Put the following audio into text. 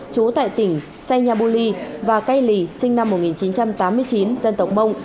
chú tại tỉnh say nhà bô ly và cây lì sinh năm một nghìn chín trăm tám mươi chín dân tộc mông